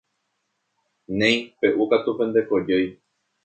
Néi peʼúkatu pende kojói.